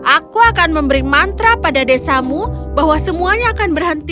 aku akan memberi mantra pada desamu bahwa semuanya akan berhenti